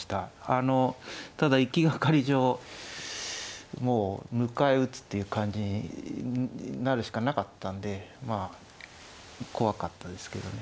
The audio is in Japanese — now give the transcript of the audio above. あのただ行きがかり上もう迎え撃つっていう感じになるしかなかったんでまあ怖かったですけどね。